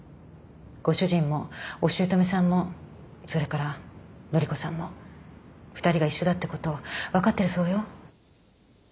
ご主人もお姑さんもそれから乃里子さんも２人が一緒だってこと分かってるそうよ。